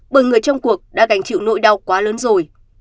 bởi người trong cuộc đã gánh chịu nỗi đau quá lớn rồi